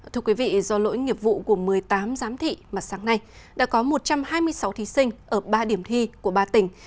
thưa quý vị do lỗi nghiệp vụ của một mươi tám giám thị mà sáng nay đã có một trăm hai mươi sáu thí sinh ở ba điểm thi của ba tỉnh